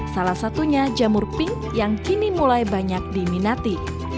salah satunya jamur pink yang kini mulai banyak diminati